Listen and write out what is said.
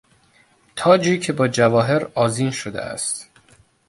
تاجی که با جواهر آذین شده است